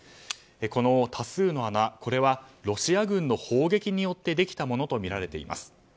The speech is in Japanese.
この多数の穴はロシア軍の砲撃によってできたものとみられています。